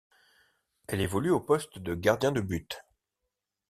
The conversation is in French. Elle évolue au poste de gardien de but.